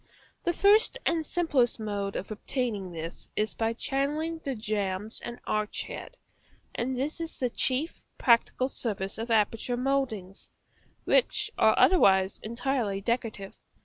The first and simplest mode of obtaining this is by channelling the jambs and arch head; and this is the chief practical service of aperture mouldings, which are otherwise entirely decorative.